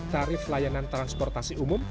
tarif layanan transportasi umum